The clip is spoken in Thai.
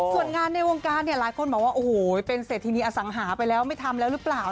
ส่วนงานในวงการเนี่ยหลายคนบอกว่าโอ้โหเป็นเศรษฐินีอสังหาไปแล้วไม่ทำแล้วหรือเปล่า